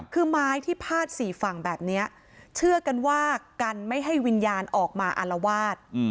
คือไม้ที่พาดสี่ฝั่งแบบนี้เชื่อกันว่ากันไม่ให้วิญญาณออกมาอารวาส